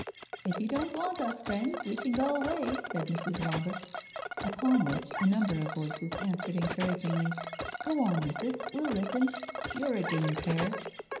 " If you don't want us, friends, we can go away, said Mrs. Roberts. Upon which a number of voices answered encouragingly: " Go on, missus— we'll listen. You're a game pair.'